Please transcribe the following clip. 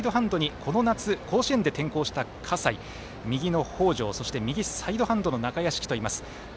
左サイドハンドにこの夏、甲子園で転向した葛西、右の北條右サイドハンドの中屋敷といます。